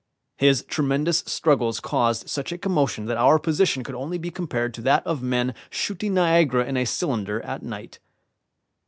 His tremendous struggles caused such a commotion that our position could only be compared to that of men shooting Niagara in a cylinder at night.